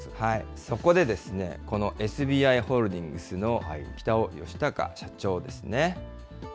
そこでですね、このＳＢＩホールディングスの北尾吉孝社長ですね。